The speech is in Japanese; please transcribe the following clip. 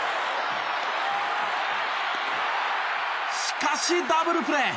しかしダブルプレー！